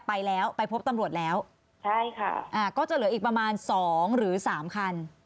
ไปแล้วไปพบตำรวจแล้วใช่ค่ะอ่าก็จะเหลืออีกประมาณสองหรือสามคัน